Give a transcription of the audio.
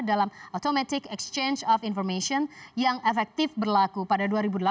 dalam automatic exchange of information yang efektif berlaku pada dua ribu delapan belas